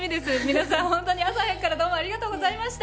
皆さん、朝早くからどうもありがとうございました。